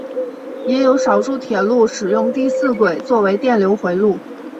也有少数铁路使用第四轨作为电流回路。